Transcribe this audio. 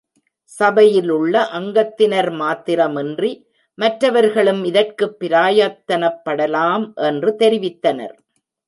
சபையிலுள்ள அங்கத்தினர் மாத்திரமின்றி, மற்றவர்களும் இதற்குப் பிரயத்தனப்படலாம் என்றும் தெரிவித்தனர்.